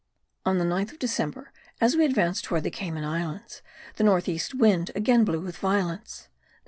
On the 9th of December, as we advanced towards the Cayman Islands,* the north east wind again blew with violence.